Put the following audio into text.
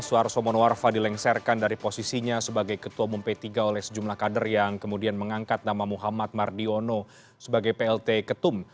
suarso monoarfa dilengsarkan dari posisinya sebagai ketua umum p tiga oleh sejumlah kader yang kemudian mengangkat nama muhammad mardiono sebagai plt ketum